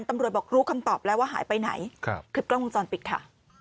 บอกรู้คำตอบแล้วว่าหายไปไหนครับคลิปกล้องวงจรปิดค่ะ